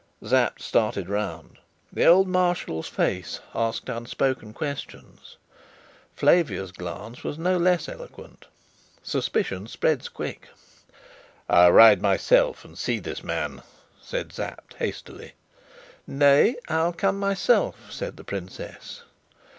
Sapt started round. The old Marshal's face asked unspoken questions. Flavia's glance was no less eloquent. Suspicion spread quick. "I'll ride myself and see this man," said Sapt hastily. "Nay, I'll come myself," said the princess.